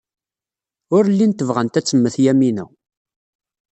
Ur llint bɣant ad temmet Yamina.